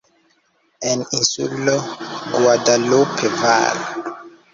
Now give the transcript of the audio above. En Insulo Guadalupe, var.